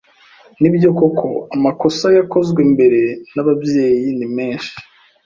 Nibyo koko amakosa yakozwe mbere n'ababyeyi ni menshi,